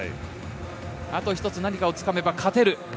あと一つ何かをつかめば勝てる。